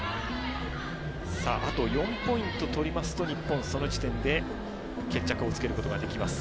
あと４ポイント取りますと日本、その時点で決着をつけることができます。